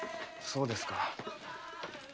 そうですか。